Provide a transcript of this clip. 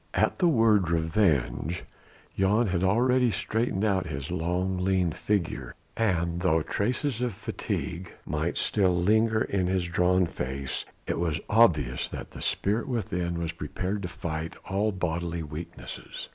At the word "revenge" Jan had already straightened out his long, lean figure and though traces of fatigue might still linger in his drawn face, it was obvious that the spirit within was prepared to fight all bodily weaknesses.